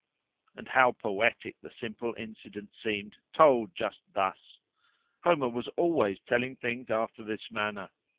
+ And how poetic the simple incident seemed, told just thus! Homer was always telling things after this manner.